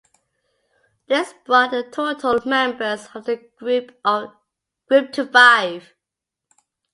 This brought the total members of the group to five.